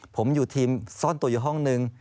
ผมอยู่ทีมซ่อนตัวอยู่ห้องนึง